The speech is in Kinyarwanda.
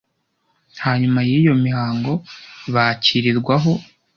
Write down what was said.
Hanyuma yiyo mihango bakirirwa aho